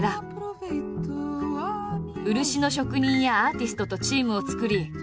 漆の職人やアーティストとチームを作り